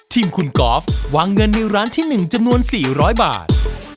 ทีมคุณก๊อฟนะคะวางเงินเอาไว้๔๐๐บาท